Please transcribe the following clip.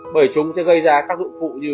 bởi chúng sẽ gây ra các dụng cụ như